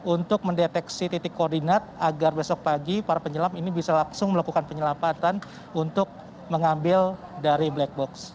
untuk mendeteksi titik koordinat agar besok pagi para penyelam ini bisa langsung melakukan penyelamatan untuk mengambil dari black box